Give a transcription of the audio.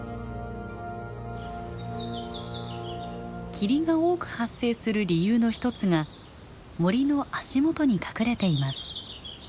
霧が多く発生する理由の一つが森の足元に隠れています。